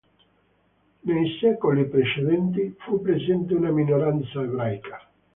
Nei secoli precedenti fu presente una minoranza ebraica.